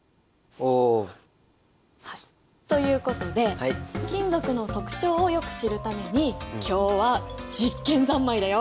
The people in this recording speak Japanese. はいということで金属の特徴をよく知るために今日は実験三昧だよ！